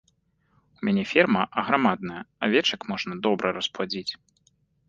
У мяне ферма аграмадная, авечак можна добра распладзіць.